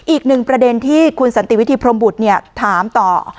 อีกหนึ่งประเด็นที่คุณสันติวิธีพรมบุตรถามต่อ